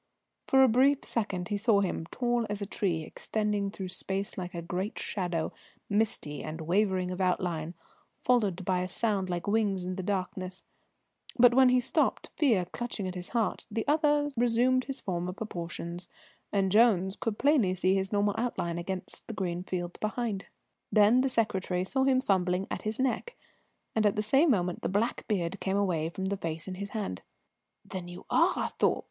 For a brief second he saw him, tall as a tree, extending through space like a great shadow, misty and wavering of outline, followed by a sound like wings in the darkness; but, when he stopped, fear clutching at his heart, the other resumed his former proportions, and Jones could plainly see his normal outline against the green field behind. Then the secretary saw him fumbling at his neck, and at the same moment the black beard came away from the face in his hand. "Then you are Thorpe!"